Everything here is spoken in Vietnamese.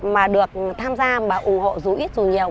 mà được tham gia và ủng hộ dù ít dù nhiều